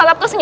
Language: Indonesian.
om om tunggu